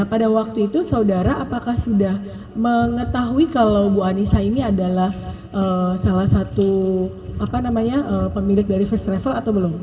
pada waktu itu saudara apakah sudah mengetahui kalau bu anissa ini adalah salah satu pemilik dari first travel atau belum